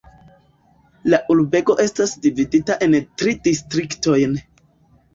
La urbego estas dividita en tri distriktojn.